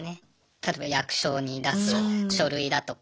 例えば役所に出す書類だとか